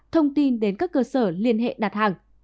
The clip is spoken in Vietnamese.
thông tin đến các cơ sở liên hệ đặt hàng